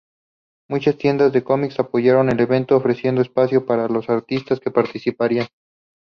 Muchas tiendas de cómics apoyaron el evento ofreciendo espacios para los artistas que participarían.